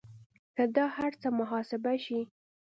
که دا هر څه محاسبه شي